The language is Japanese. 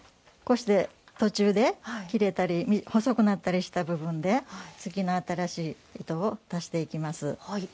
途中で、切れたり細くなったりした部分で次の新しい糸を足していきます。